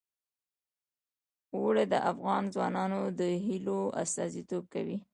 اوړي د افغان ځوانانو د هیلو استازیتوب کوي.